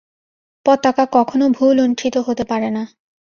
পতাকা কখনও ভূলুণ্ঠিত হতে পারে না।